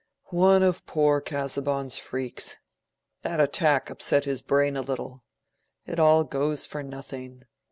"One of poor Casaubon's freaks! That attack upset his brain a little. It all goes for nothing.